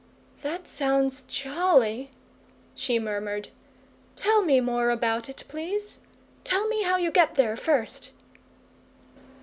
"That sounds jolly," she murmured. "Tell me more about it, please. Tell me how you get there, first."